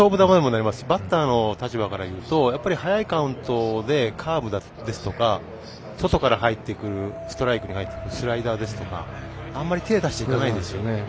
バッターの立場からいうと早いカウントでカーブですとか外から入ってくるストライクのスライダーですとか、あまり手を出していかないんですよね。